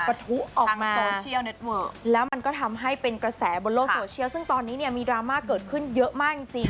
ประทุออกมาโซเชียลแล้วมันก็ทำให้เป็นกระแสบนโลกโซเชียลซึ่งตอนนี้เนี่ยมีดราม่าเกิดขึ้นเยอะมากจริง